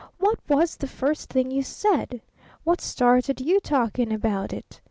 What was the first thing you said? What started you talking about it?